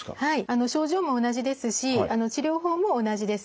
症状も同じですし治療法も同じです。